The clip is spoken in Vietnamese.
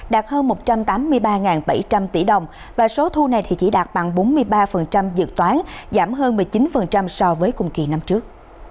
đạt hơn một trăm tám mươi ba bảy trăm linh tỷ đồng và số thu này chỉ đạt bằng bốn mươi ba dự toán giảm hơn một mươi chín so với cùng kỳ năm trước